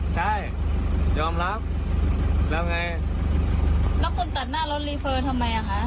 ใช่ยอมรับแล้วไงแล้วคุณตัดหน้ารถรีเฟอร์ทำไมอ่ะคะ